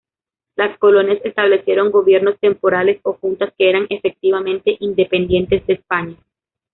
Las colonias establecieron gobiernos temporales o juntas que eran efectivamente independientes de España.